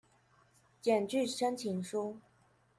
檢具申請書